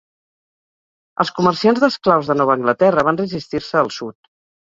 Els comerciants d'esclaus de Nova Anglaterra van resistir-se al Sud.